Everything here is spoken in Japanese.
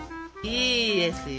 いいですよ。